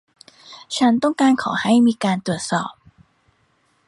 ฉันต้องการขอให้มีการตรวจสอบ